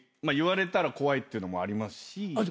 言われたら怖いっていうのもありますし。